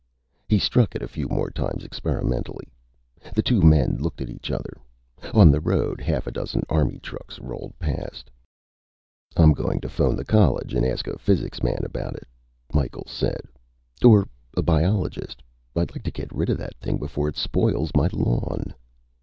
He struck it a few more times, experimentally. The two men looked at each other. On the road, half a dozen Army trucks rolled past. "I'm going to phone the college and ask a physics man about it," Micheals said. "Or a biologist. I'd like to get rid of that thing before it spoils my lawn."